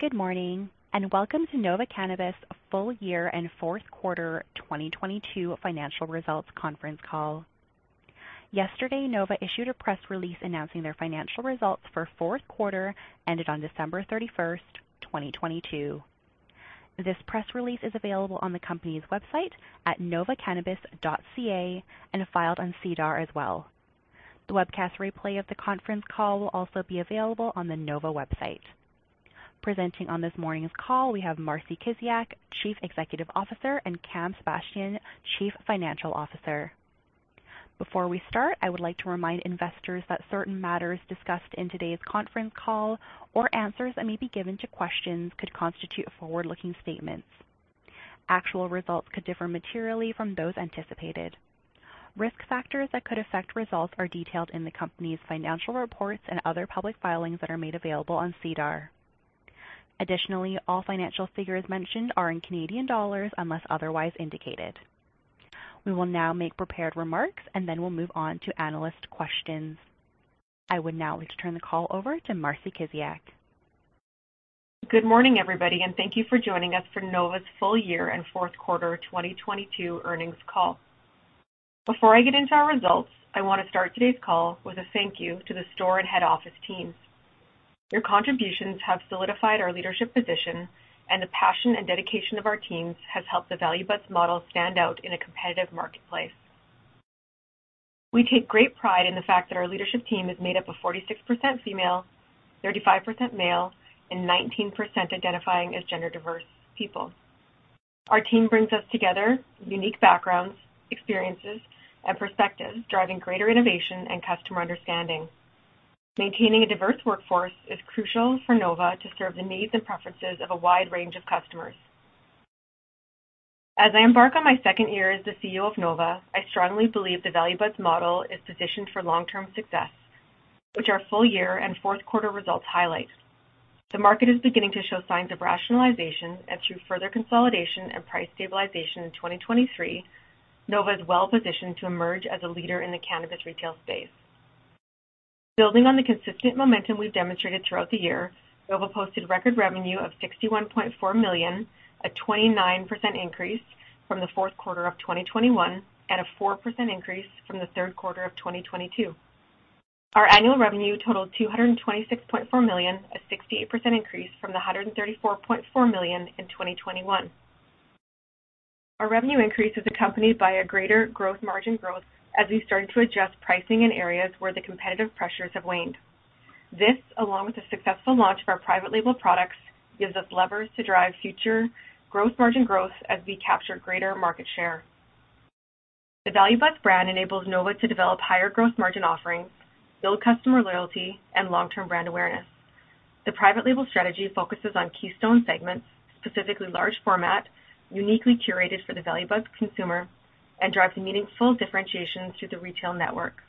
Good morning, welcome to Nova Cannabis Full Year and Fourth Quarter 2022 financial results conference call. Yesterday, Nova issued a press release announcing their financial results for fourth quarter ended on December 31st, 2022. This press release is available on the company's website at novacannabis.ca and filed on SEDAR as well. The webcast replay of the conference call will also be available on the Nova website. Presenting on this morning's call, we have Marcie Kiziak, Chief Executive Officer, and Cam Sebastian, Chief Financial Officer. Before we start, I would like to remind investors that certain matters discussed in today's conference call or answers that may be given to questions could constitute forward-looking statements. Actual results could differ materially from those anticipated. Risk factors that could affect results are detailed in the company's financial reports and other public filings that are made available on SEDAR. Additionally, all financial figures mentioned are in Canadian dollars unless otherwise indicated. We will now make prepared remarks, then we'll move on to analyst questions. I would now like to turn the call over to Marcie Kiziak. Good morning, everybody, and thank you for joining us for Nova's full year and Q4 2022 earnings call. Before I get into our results, I want to start today's call with a thank you to the store and head office teams. Your contributions have solidified our leadership position, and the passion and dedication of our teams has helped the Value Buds model stand out in a competitive marketplace. We take great pride in the fact that our leadership team is made up of 46% female, 35% male, and 19% identifying as gender-diverse people. Our team brings us together unique backgrounds, experiences, and perspectives, driving greater innovation and customer understanding. Maintaining a diverse workforce is crucial for Nova to serve the needs and preferences of a wide range of customers. As I embark on my second year as the CEO of Nova, I strongly believe the Value Buds model is positioned for long-term success, which our full year and fourth quarter results highlight. Through further consolidation and price stabilization in 2023, Nova is well-positioned to emerge as a leader in the cannabis retail space. Building on the consistent momentum we've demonstrated throughout the year, Nova posted record revenue of 61.4 million, a 29% increase from the fourth quarter of 2021, and a 4% increase from the third quarter of 2022. Our annual revenue totaled 226.4 million, a 68% increase from the 134.4 million in 2021. Our revenue increase is accompanied by a greater growth margin growth as we started to adjust pricing in areas where the competitive pressures have waned. This, along with the successful launch of our private label products, gives us levers to drive future growth margin growth as we capture greater market share. The Value Buds brand enables Nova to develop higher growth margin offerings, build customer loyalty, and long-term brand awareness. The private label strategy focuses on keystone segments, specifically large format, uniquely curated for the Value Buds consumer, and drives meaningful differentiation through the retail network.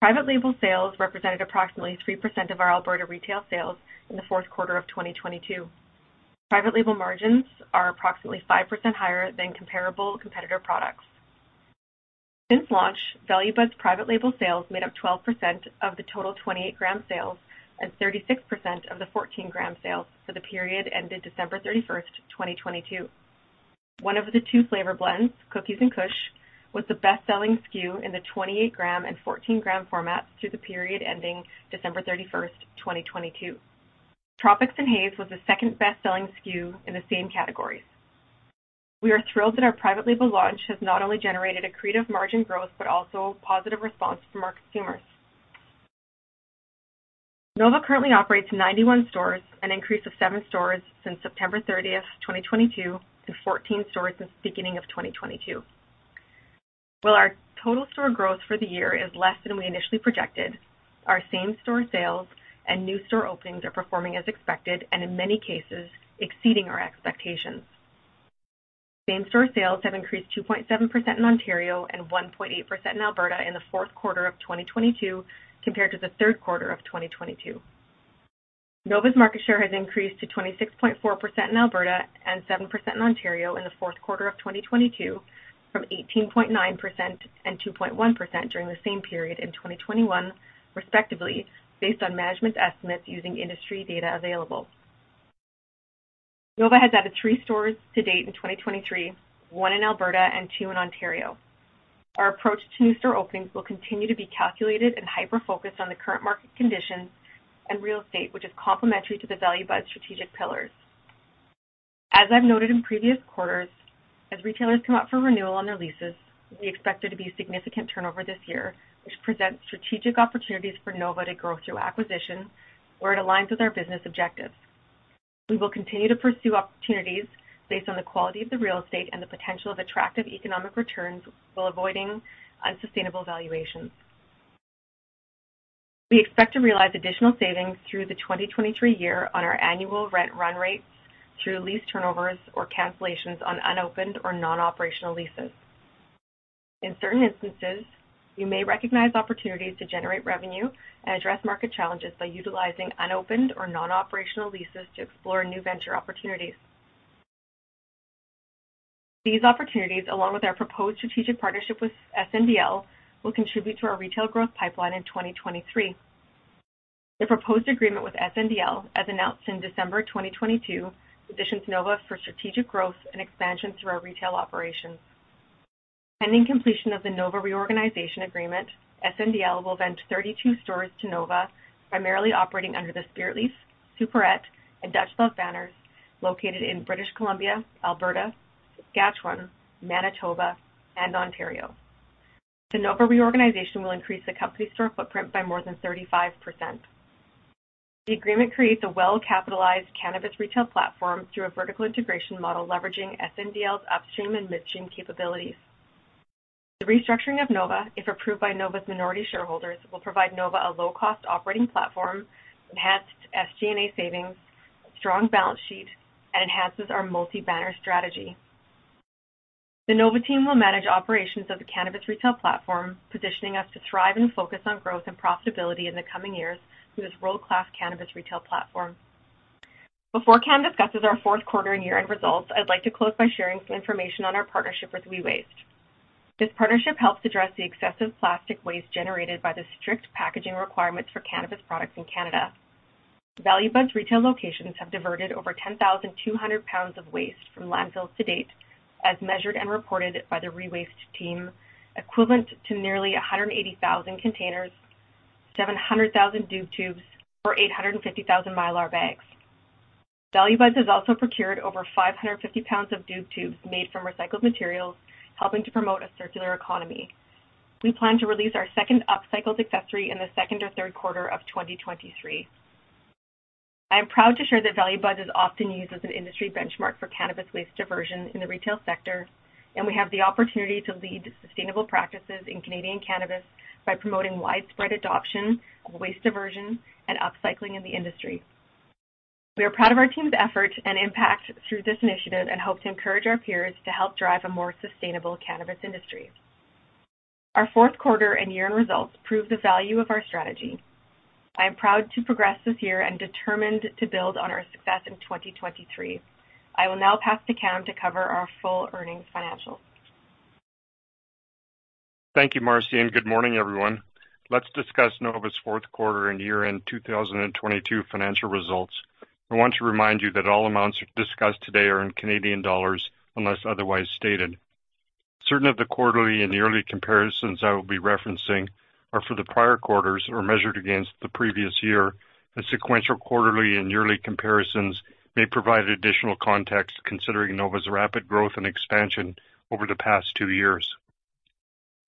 Private label sales represented approximately 3% of our Alberta retail sales in the fourth quarter of 2022. Private label margins are approximately 5% higher than comparable competitor products. Since launch, Value Buds private label sales made up 12% of the total 28-gram sales and 36% of the 14-gram sales for the period ended December 31st, 2022. One of the two flavor blends, Cookies and Kush, was the best-selling SKU in the 28-gram and 14-gram formats through the period ending December 31st, 2022. Tropics and Haze was the second best-selling SKU in the same categories. We are thrilled that our private label launch has not only generated accretive margin growth but also a positive response from our consumers. Nova currently operates 91 stores, an increase of seven stores since September 30th, 2022, and 14 stores since the beginning of 2022. While our total store growth for the year is less than we initially projected, our same-store sales and new store openings are performing as expected and in many cases, exceeding our expectations. Same-store sales have increased 2.7% in Ontario and 1.8% in Alberta in the fourth quarter of 2022 compared to the third quarter of 2022. Nova's market share has increased to 26.4% in Alberta and 7% in Ontario in the fourth quarter of 2022 from 18.9% and 2.1% during the same period in 2021, respectively, based on management's estimates using industry data available. Nova has added 3 stores to date in 2023, one in Alberta and two in Ontario. Our approach to new store openings will continue to be calculated and hyper-focused on the current market conditions and real estate, which is complementary to the Value Buds strategic pillars. As I've noted in previous quarters, as retailers come up for renewal on their leases, we expect there to be significant turnover this year, which presents strategic opportunities for Nova to grow through acquisition where it aligns with our business objectives. We will continue to pursue opportunities based on the quality of the real estate and the potential of attractive economic returns while avoiding unsustainable valuations. We expect to realize additional savings through the 2023 year on our annual rent run rates through lease turnovers or cancellations on unopened or non-operational leases. In certain instances, we may recognize opportunities to generate revenue and address market challenges by utilizing unopened or non-operational leases to explore new venture opportunities. These opportunities, along with our proposed strategic partnership with SNDL, will contribute to our retail growth pipeline in 2023. The proposed agreement with SNDL, as announced in December 2022, positions Nova for strategic growth and expansion through our retail operations. Pending completion of the Nova reorganization agreement, SNDL will vend 32 stores to Nova, primarily operating under the Spiritleaf, Superette, and Dutch Love banners located in British Columbia, Alberta, Saskatchewan, Manitoba and Ontario. The Nova reorganization will increase the company's store footprint by more than 35%. The agreement creates a well-capitalized cannabis retail platform through a vertical integration model leveraging SNDL's upstream and midstream capabilities. The restructuring of Nova, if approved by Nova's minority shareholders, will provide Nova a low-cost operating platform, enhanced SG&A savings, strong balance sheet and enhances our multi-banner strategy. The Nova team will manage operations of the cannabis retail platform, positioning us to thrive and focus on growth and profitability in the coming years through this world-class cannabis retail platform. Before Cam discusses our fourth quarter and year-end results, I'd like to close by sharing some information on our partnership with ReWaste. This partnership helps address the excessive plastic waste generated by the strict packaging requirements for cannabis products in Canada. Value Buds retail locations have diverted over 10,200 pounds of waste from landfills to date, as measured and reported by the ReWaste team, equivalent to nearly 180,000 containers, 700,000 doob tubes or 850,000 mylar bags. Value Buds has also procured over 550 pounds of doob tubes made from recycled materials, helping to promote a circular economy. We plan to release our second upcycled accessory in the second or third quarter of 2023. I am proud to share that Value Buds is often used as an industry benchmark for cannabis waste diversion in the retail sector, and we have the opportunity to lead sustainable practices in Canadian cannabis by promoting widespread adoption of waste diversion and upcycling in the industry. We are proud of our team's effort and impact through this initiative and hope to encourage our peers to help drive a more sustainable cannabis industry. Our fourth quarter and year-end results prove the value of our strategy. I am proud to progress this year and determined to build on our success in 2023. I will now pass to Cam to cover our full earnings financials. Thank you, Marcie, and good morning, everyone. Let's discuss Nova's fourth quarter and year-end 2022 financial results. I want to remind you that all amounts discussed today are in Canadian dollars unless otherwise stated. Certain of the quarterly and yearly comparisons I will be referencing are for the prior quarters or measured against the previous year, and sequential, quarterly and yearly comparisons may provide additional context considering Nova's rapid growth and expansion over the past two years.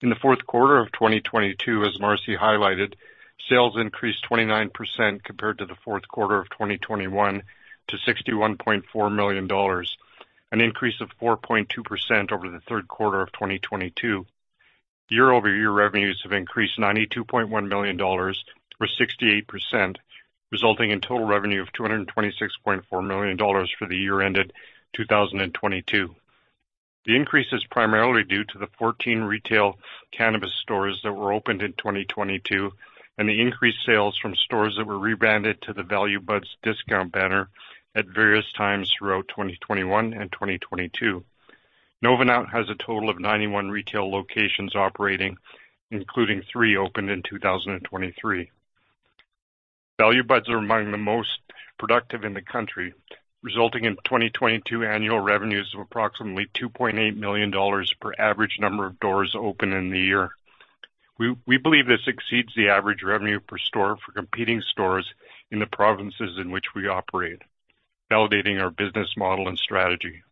In the fourth quarter of 2022, as Marcie highlighted, sales increased 29% compared to the fourth quarter of 2021 to 61.4 million dollars, an increase of 4.2% over the third quarter of 2022. Year-over-year revenues have increased 92.1 million dollars, or 68%, resulting in total revenue of 226.4 million dollars for the year ended 2022. The increase is primarily due to the 14 retail cannabis stores that were opened in 2022 and the increased sales from stores that were rebranded to the Value Buds discount banner at various times throughout 2021 and 2022. Nova now has a total of 91 retail locations operating, including three opened in 2023. Value Buds are among the most productive in the country, resulting in 2022 annual revenues of approximately 2.8 million dollars per average number of doors open in the year. We believe this exceeds the average revenue per store for competing stores in the provinces in which we operate, validating our business model and strategy.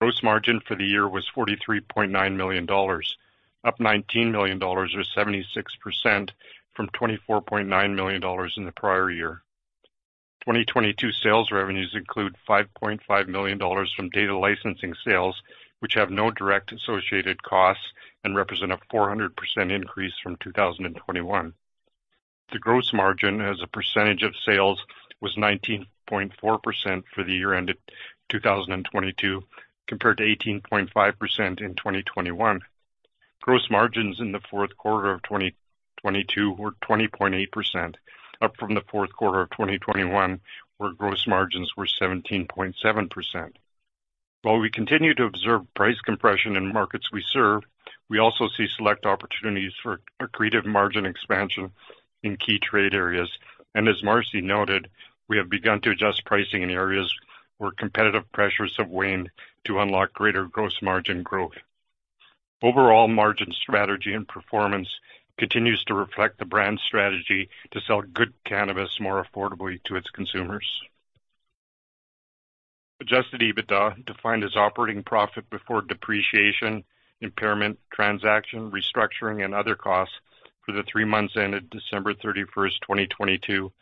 Gross margin for the year was 43.9 million dollars, up 19 million dollars, or 76% from 24.9 million dollars in the prior year. 2022 sales revenues include 5.5 million dollars from data licensing sales, which have no direct associated costs and represent a 400% increase from 2021. The gross margin as a percentage of sales was 19.4% for the year ended 2022, compared to 18.5% in 2021. Gross margins in the fourth quarter of 2022 were 20.8%, up from the fourth quarter of 2021, where gross margins were 17.7%. While we continue to observe price compression in markets we serve, we also see select opportunities for accretive margin expansion in key trade areas. As Marcy noted, we have begun to adjust pricing in areas where competitive pressures have waned to unlock greater gross margin growth. Overall margin strategy and performance continues to reflect the brand's strategy to sell good cannabis more affordably to its consumers. Adjusted EBITDA, defined as operating profit before depreciation, impairment, transaction, restructuring and other costs for the three months ended December 31st, 2022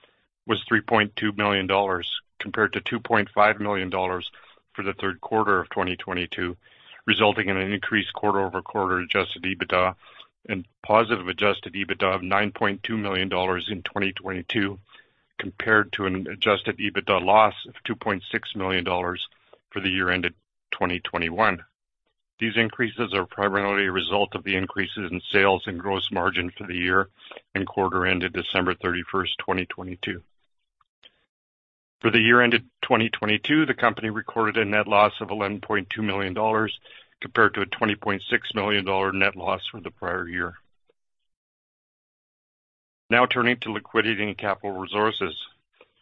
was 3.2 million dollars, compared to 2.5 million dollars for the third quarter of 2022, resulting in an increased quarter-over-quarter Adjusted EBITDA and positive Adjusted EBITDA of 9.2 million dollars in 2022, compared to an Adjusted EBITDA loss of 2.6 million dollars for the year ended 2021. These increases are primarily a result of the increases in sales and gross margin for the year and quarter ended December 31st, 2022. For the year ended 2022, the company recorded a net loss of 11.2 million dollars compared to a 20.6 million dollar net loss for the prior year. Now turning to liquidity and capital resources.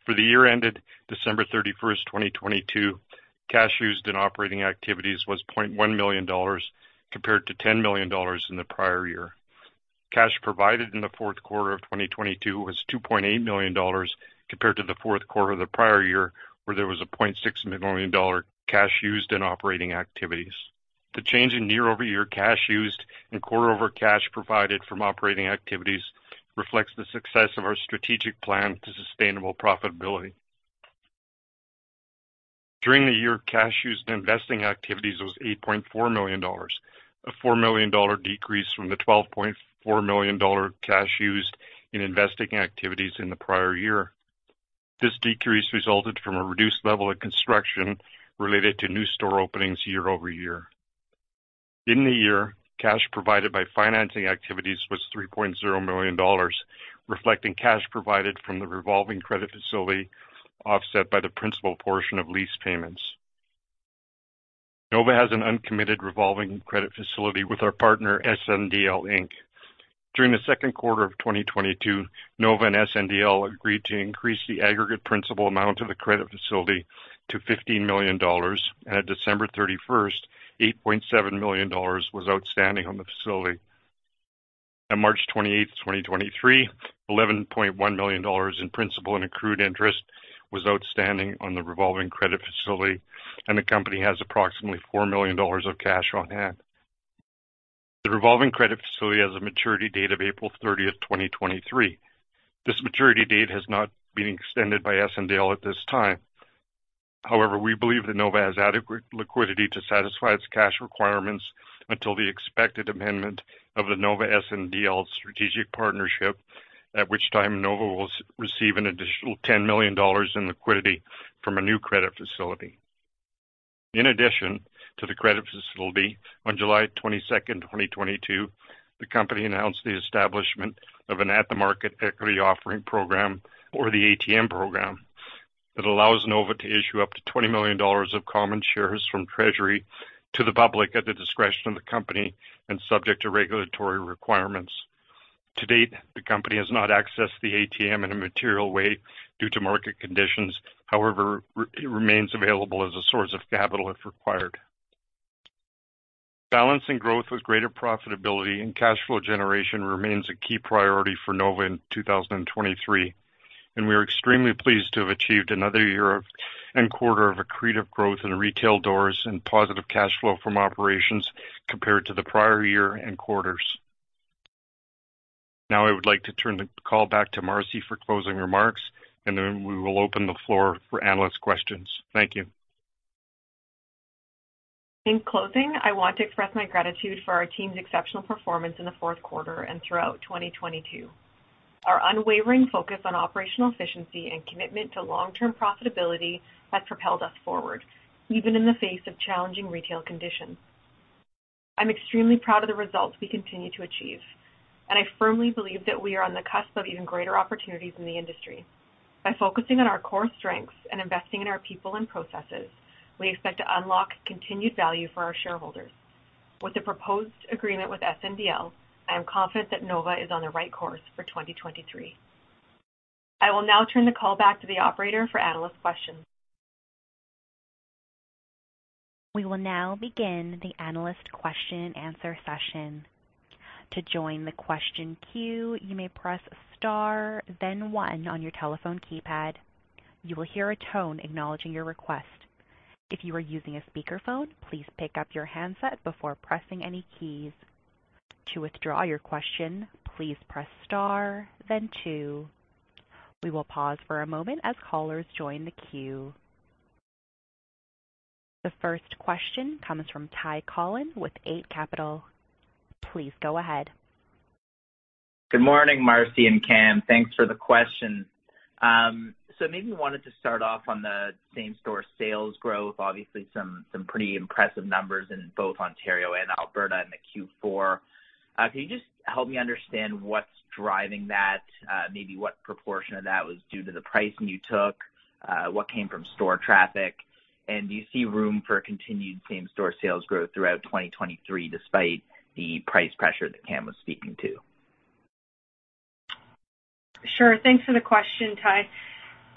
For the year ended December 31st, 2022, cash used in operating activities was 0.1 million dollars compared to 10 million dollars in the prior year. Cash provided in the fourth quarter of 2022 was 2.8 million dollars compared to the fourth quarter of the prior year, where there was a 0.6 million dollar cash used in operating activities. The change in year-over-year cash used and quarter over cash provided from operating activities reflects the success of our strategic plan to sustainable profitability. During the year, cash used in investing activities was 8.4 million dollars, a 4 million dollar decrease from the 12.4 million dollar cash used in investing activities in the prior year. This decrease resulted from a reduced level of construction related to new store openings year-over-year. In the year, cash provided by financing activities was $ 3.0 million, reflecting cash provided from the revolving credit facility, offset by the principal portion of lease payments. Nova has an uncommitted revolving credit facility with our partner SNDL Inc. During the second quarter of 2022, Nova and SNDL agreed to increase the aggregate principal amount of the credit facility to $ 15 million, and at December 31st, $8.7 million was outstanding on the facility. On March 28th, 2023, $ 11.1 million in principal and accrued interest was outstanding on the revolving credit facility, and the company has approximately $4 million of cash on hand. The revolving credit facility has a maturity date of April 30th, 2023. This maturity date has not been extended by SNDL at this time. We believe that Nova has adequate liquidity to satisfy its cash requirements until the expected amendment of the Nova SNDL strategic partnership, at which time Nova will receive an additional $ 10 million in liquidity from a new credit facility. In addition to the credit facility, on July 22nd, 2022, the company announced the establishment of an at-the-market equity offering program or the ATM program. It allows Nova to issue up to $20 million of common shares from treasury to the public at the discretion of the company and subject to regulatory requirements. To date, the company has not accessed the ATM in a material way due to market conditions. It remains available as a source of capital if required. Balancing growth with greater profitability and cash flow generation remains a key priority for Nova in 2023. We are extremely pleased to have achieved another year and quarter of accretive growth in retail doors and positive cash flow from operations compared to the prior year and quarters. I would like to turn the call back to Marcie for closing remarks. Then we will open the floor for analyst questions. Thank you. In closing, I want to express my gratitude for our team's exceptional performance in the fourth quarter and throughout 2022. Our unwavering focus on operational efficiency and commitment to long-term profitability has propelled us forward, even in the face of challenging retail conditions. I'm extremely proud of the results we continue to achieve, and I firmly believe that we are on the cusp of even greater opportunities in the industry. By focusing on our core strengths and investing in our people and processes, we expect to unlock continued value for our shareholders. With the proposed agreement with SNDL, I am confident that Nova is on the right course for 2023. I will now turn the call back to the operator for analyst questions. We will now begin the analyst question and answer session. To join the question queue, you may press star then one on your telephone keypad. You will hear a tone acknowledging your request. If you are using a speakerphone, please pick up your handset before pressing any keys. To withdraw your question, please press star then two. We will pause for a moment as callers join the queue. The first question comes from Ty Collin with Eight Capital. Please go ahead. Good morning, Marcie and Cam. Thanks for the question. Maybe wanted to start off on the same-store sales growth. Obviously some pretty impressive numbers in both Ontario and Alberta in the Q4. Can you just help me understand what's driving that? Maybe what proportion of that was due to the pricing you took, what came from store traffic? Do you see room for continued same-store sales growth throughout 2023, despite the price pressure that Cam was speaking to? Sure. Thanks for the question, Ty.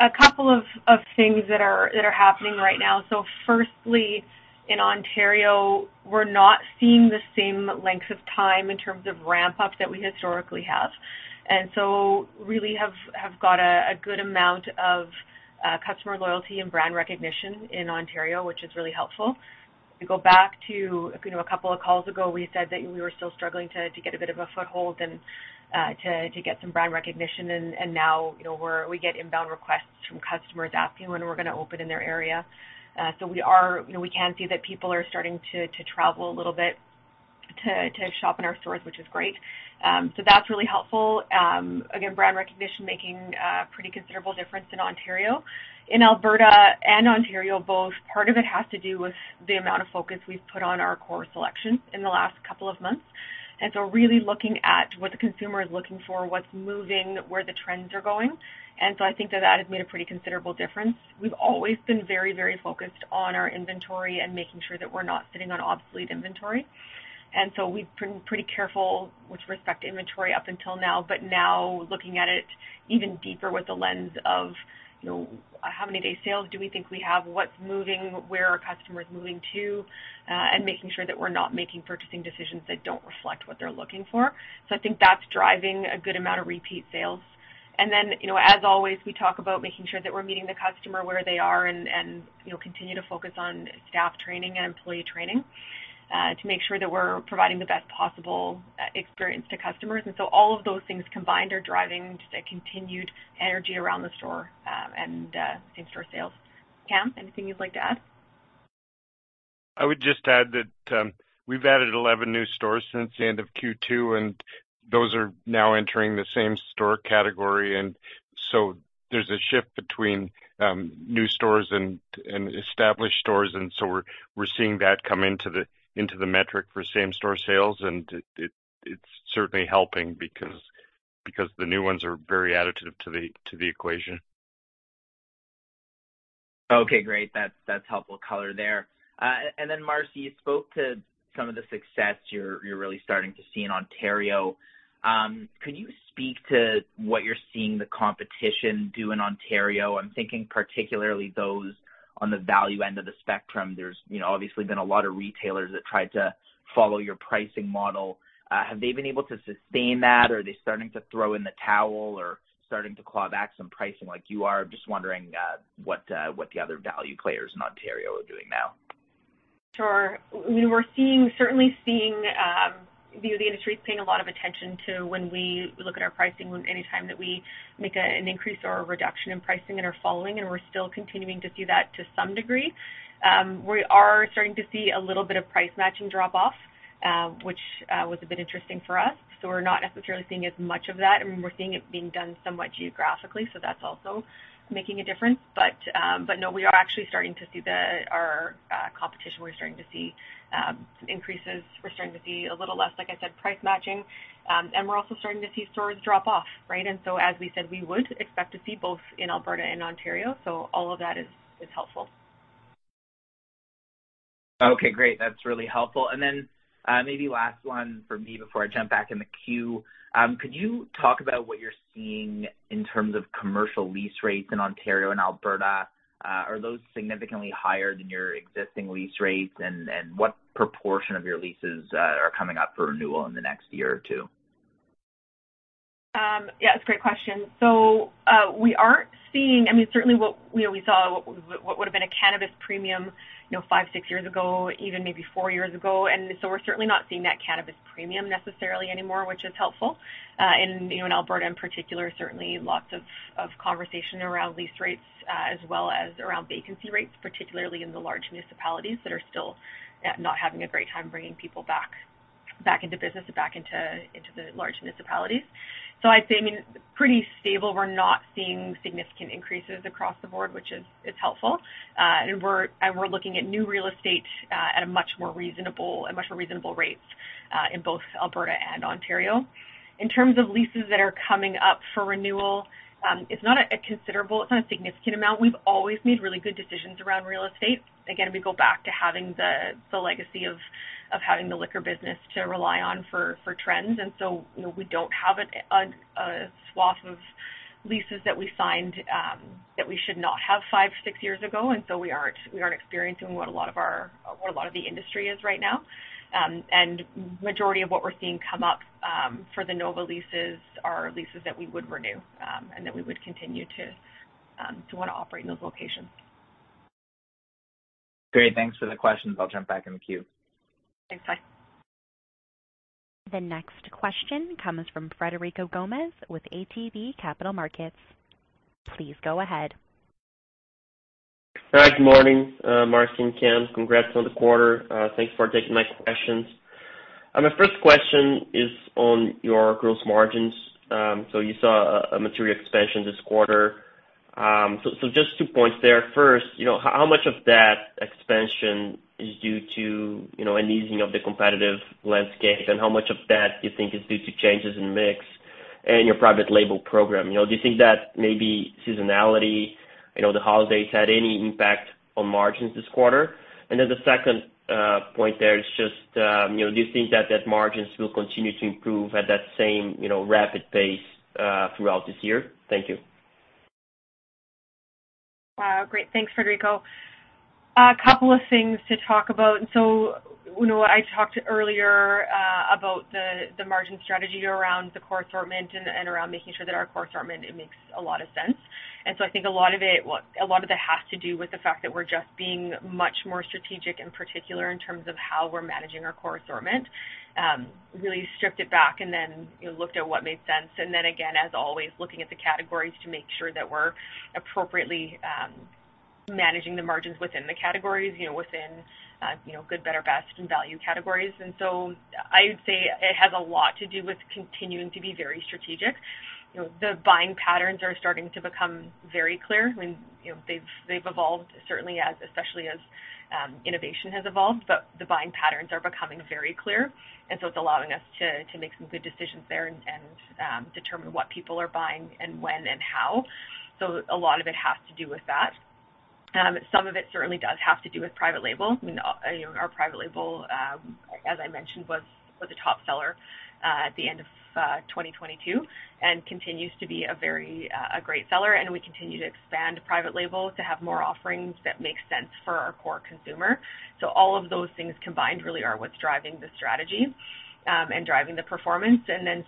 A couple of things that are happening right now. Firstly, in Ontario, we're not seeing the same length of time in terms of ramp up that we historically have. Really have got a good amount of customer loyalty and brand recognition in Ontario, which is really helpful. We go back to, you know, a couple of calls ago, we said that we were still struggling to get a bit of a foothold and to get some brand recognition. Now, you know, we get inbound requests from customers asking when we're gonna open in their area. You know, we can see that people are starting to travel a little bit to shop in our stores, which is great. That's really helpful. Again, brand recognition making a pretty considerable difference in Ontario. In Alberta and Ontario both, part of it has to do with the amount of focus we've put on our core selection in the last couple of months. Really looking at what the consumer is looking for, what's moving, where the trends are going. I think that that has made a pretty considerable difference. We've always been very focused on our inventory and making sure that we're not sitting on obsolete inventory. We've been pretty careful with respect to inventory up until now, but now looking at it even deeper with the lens of, you know, how many day sales do we think we have, what's moving, where are customers moving to, and making sure that we're not making purchasing decisions that don't reflect what they're looking for. I think that's driving a good amount of repeat sales. You know, as always, we talk about making sure that we're meeting the customer where they are and, you know, continue to focus on staff training and employee training to make sure that we're providing the best possible experience to customers. All of those things combined are driving the continued energy around the store and in-store sales. Cam, anything you'd like to add? I would just add that, we've added 11 new stores since the end of Q2, and those are now entering the same store category. There's a shift between, new stores and established stores, and so we're seeing that come into the metric for same-store sales, and it's certainly helping because the new ones are very additive to the equation. Okay, great. That's helpful color there. Marcie, you spoke to some of the success you're really starting to see in Ontario. Could you speak to what you're seeing the competition do in Ontario? I'm thinking particularly those on the value end of the spectrum. There's, you know, obviously been a lot of retailers that try to follow your pricing model. Have they been able to sustain that, or are they starting to throw in the towel or starting to claw back some pricing like you are? Just wondering what the other value players in Ontario are doing now. Sure. We're seeing, certainly seeing, the industry's paying a lot of attention to when we look at our pricing, anytime that we make a, an increase or a reduction in pricing and are following, and we're still continuing to see that to some degree. We are starting to see a little bit of price matching drop off, which was a bit interesting for us. We're not necessarily seeing as much of that. I mean, we're seeing it being done somewhat geographically. That's also making a difference. No, we are actually starting to see our competition. We're starting to see, some increases. We're starting to see a little less, like I said, price matching, we're also starting to see stores drop off, right? As we said, we would expect to see both in Alberta and Ontario. All of that is helpful. Okay, great. That's really helpful. Maybe last one for me before I jump back in the queue. Could you talk about what you're seeing in terms of commercial lease rates in Ontario and Alberta? Are those significantly higher than your existing lease rates? What proportion of your leases are coming up for renewal in the next year or two? Yeah, it's a great question. I mean, certainly what, you know, we saw what would have been a cannabis premium, you know, five, six years ago, even maybe four years ago. We're certainly not seeing that cannabis premium necessarily anymore, which is helpful. And, you know, in Alberta in particular, certainly lots of conversation around lease rates, as well as around vacancy rates, particularly in the large municipalities that are still not having a great time bringing people back into business and back into the large municipalities. I'd say, I mean, pretty stable. We're not seeing significant increases across the board, which is helpful. And we're looking at new real estate at a much more reasonable rates in both Alberta and Ontario. In terms of leases that are coming up for renewal, it's not a considerable, it's not a significant amount. We've always made really good decisions around real estate. Again, we go back to having the legacy of having the liquor business to rely on for trends. You know, we don't have a swath of leases that we signed that we should not have five, six years ago. We aren't experiencing what a lot of the industry is right now. Majority of what we're seeing come up for the Nova leases are leases that we would renew and that we would continue to want to operate in those locations. Great. Thanks for the questions. I'll jump back in the queue. Thanks, Ty. The next question comes from Frederico Gomes with ATB Capital Markets. Please go ahead. All right, good morning, Marcie and Cam. Congrats on the quarter. Thanks for taking my questions. My first question is on your gross margins. You saw a material expansion this quarter. Just two points there. First, you know, how much of that expansion is due to, you know, an easing of the competitive landscape, and how much of that do you think is due to changes in mix and your private label program? You know, do you think that maybe seasonality, you know, the holidays had any impact on margins this quarter? Then the second point there is just, you know, do you think that margins will continue to improve at that same, you know, rapid pace throughout this year? Thank you. Great. Thanks, Frederico. A couple of things to talk about. You know, I talked earlier about the margin strategy around the core assortment and around making sure that our core assortment, it makes a lot of sense. I think a lot of it has to do with the fact that we're just being much more strategic, in particular in terms of how we're managing our core assortment. Really stripped it back and then, you know, looked at what made sense. Then again, as always, looking at the categories to make sure that we're appropriately managing the margins within the categories, you know, within, you know, good, better, best and value categories. I would say it has a lot to do with continuing to be very strategic. You know, the buying patterns are starting to become very clear when, you know, they've evolved certainly as, especially as innovation has evolved, but the buying patterns are becoming very clear. It's allowing us to make some good decisions there and determine what people are buying and when and how. A lot of it has to do with that. Some of it certainly does have to do with private label. You know, our private label, as I mentioned, was a top seller at the end of 2022 and continues to be a very great seller, and we continue to expand private label to have more offerings that make sense for our core consumer. All of those things combined really are what's driving the strategy and driving the performance.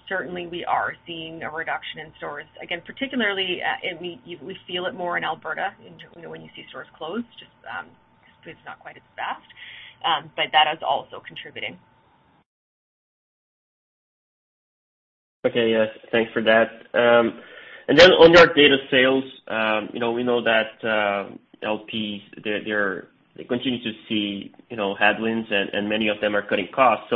Certainly we are seeing a reduction in stores. Again, particularly, and we feel it more in Alberta, you know, when you see stores close, just it's not quite as vast. That is also contributing. Okay. Yes. Thanks for that. On your data sales, you know, we know that LPs, they're they continue to see, you know, headwinds and many of them are cutting costs.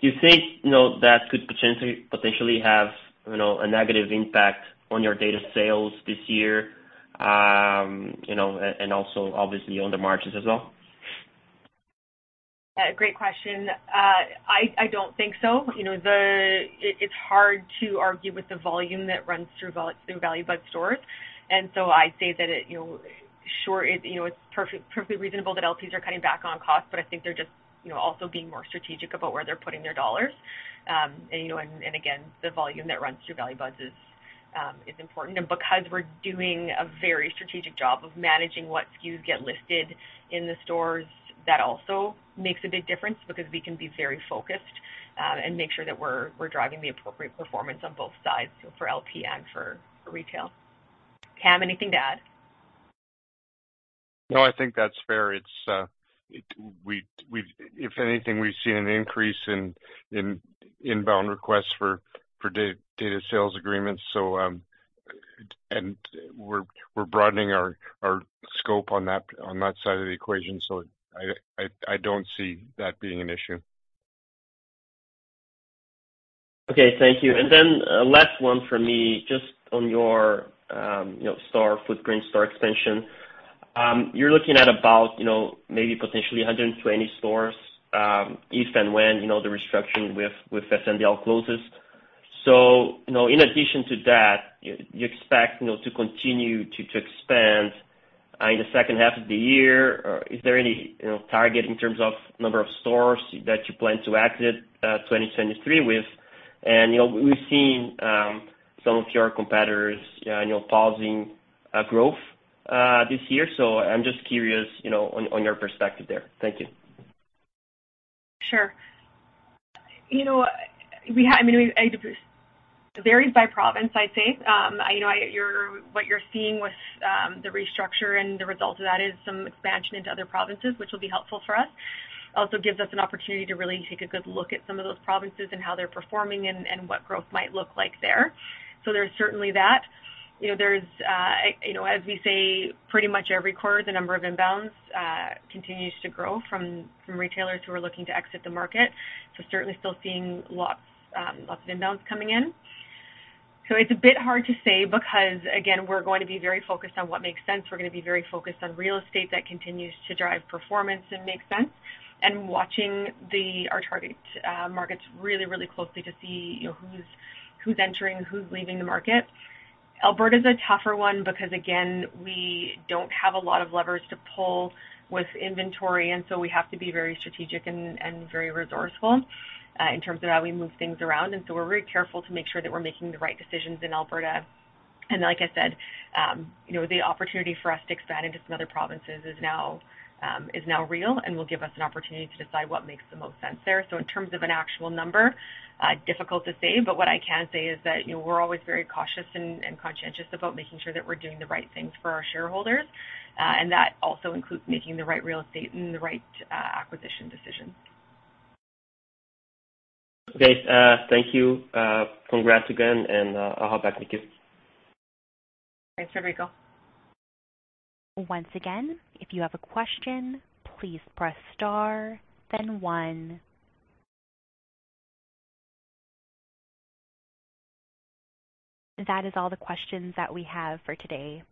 Do you think, you know, that could potentially have, you know, a negative impact on your data sales this year, you know, and also obviously on the margins as well? Great question. I don't think so. You know, it's hard to argue with the volume that runs through Value Buds stores. I say that it, you know, sure, you know, it's perfectly reasonable that LPs are cutting back on costs, but I think they're just, you know, also being more strategic about where they're putting their dollars. You know, and again, the volume that runs through Value Buds is important. Because we're doing a very strategic job of managing what SKUs get listed in the stores, that also makes a big difference because we can be very focused, and make sure that we're driving the appropriate performance on both sides for LP and for retail. Cam, anything to add? No, I think that's fair. It's, if anything, we've seen an increase in inbound requests for data sales agreements. We're broadening our scope on that side of the equation. I don't see that being an issue. Okay. Thank you. Last one for me, just on your, you know, store, footprint store expansion, you're looking at about, you know, maybe potentially 120 stores, if and when, you know, the restructuring with SNDL closes. In addition to that, you expect, you know, to continue to expand in the second half of the year? Or is there any, you know, target in terms of number of stores that you plan to exit 2023 with? We've seen, some of your competitors, you know, pausing growth this year. I'm just curious, you know, on your perspective there. Thank you. Sure. You know, I mean, it varies by province, I'd say. You know, what you're seeing with the restructure and the result of that is some expansion into other provinces, which will be helpful for us. Also gives us an opportunity to really take a good look at some of those provinces and how they're performing and what growth might look like there. There's certainly that. You know, there's, you know, as we say, pretty much every quarter, the number of inbounds continues to grow from retailers who are looking to exit the market. Certainly still seeing lots of inbounds coming in. It's a bit hard to say because, again, we're going to be very focused on what makes sense. We're gonna be very focused on real estate that continues to drive performance and make sense, and watching our target markets really, really closely to see, you know, who's entering, who's leaving the market. Alberta's a tougher one because, again, we don't have a lot of levers to pull with inventory. We have to be very strategic and very resourceful in terms of how we move things around. We're very careful to make sure that we're making the right decisions in Alberta. Like I said, you know, the opportunity for us to expand into some other provinces is now is now real and will give us an opportunity to decide what makes the most sense there. In terms of an actual number, difficult to say, but what I can say is that, you know, we're always very cautious and conscientious about making sure that we're doing the right things for our shareholders, and that also includes making the right real estate and the right acquisition decisions. Okay. Thank you. Congrats again, and I'll hop back with you. Thanks, Frederico. Once again, if you have a question, please press star then one. That is all the questions that we have for today.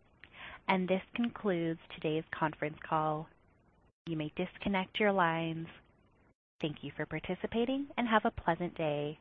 This concludes today's conference call. You may disconnect your lines. Thank you for participating, and have a pleasant day.